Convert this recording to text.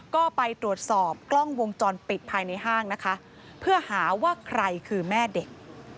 ก็ไปตรวจสอบกล้องวงจรปิดภายในห้างนะคะเพื่อหาว่าใครคือแม่เด็ก